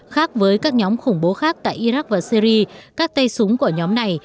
khác với các nhóm khủng bố khác tại iraq và syri các tay súng của nhóm này